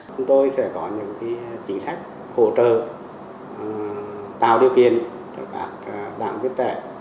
chúng tôi sẽ có những chính sách hỗ trợ tạo điều kiện cho các đảng viết vẻ